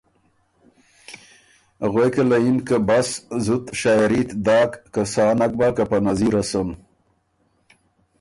غوېکه له یِن که ”بس، زُت شاعېري ت داک که سا نک بۀ که په نظیره سُن“